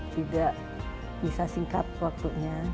tidak bisa singkat waktunya